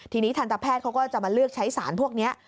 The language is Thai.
ทีนี้ทันตแพทย์เขาก็จะมาเลือกใช้สารพวกนี้